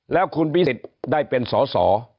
แล้วคุณภูมิศิษฐ์ได้เป็นสอสอ